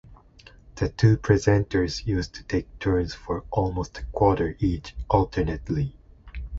The two presenters used to take turns for almost a quarter each, alternately.